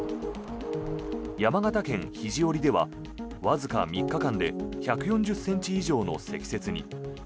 山形県肘折では、わずか３日間で１４０ｃｍ以上の積雪に。